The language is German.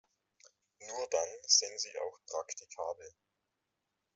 Nur dann sind sie auch praktikabel.